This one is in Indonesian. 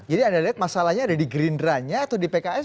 jadi anda lihat masalahnya ada di gerindranya atau di pks nya